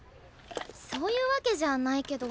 そういうわけじゃないけど。